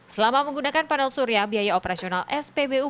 selama menggunakan panel surya biaya operasional spbu